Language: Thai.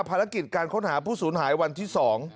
ภารกิจการค้นหาผู้สูญหายวันที่๒